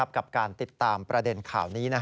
กับการติดตามประเด็นข่าวนี้